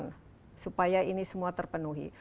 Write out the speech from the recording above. supaya ini semua terpenuhi